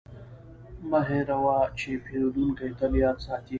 مه هېروه چې پیرودونکی تل یاد ساتي.